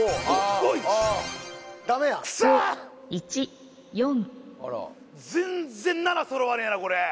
５１４全然７揃わねえなこれ！